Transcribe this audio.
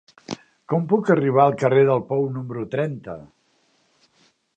Com puc arribar al carrer del Pou número trenta?